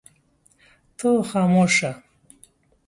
ته خاموش شه.